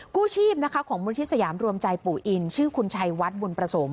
กู้ชีพนะคะของมูลที่สยามรวมใจปู่อินชื่อคุณชัยวัดบุญประสม